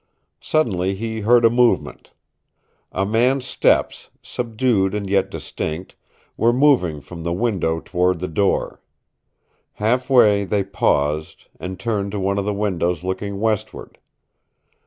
Suddenly he heard a movement. A man's steps, subdued and yet distinct, were moving from the window toward the door. Half way they paused, and turned to one of the windows looking westward.